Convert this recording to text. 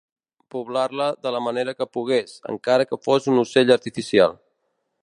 Poblar-la de la manera que pogués, encara que fos un ocell artificial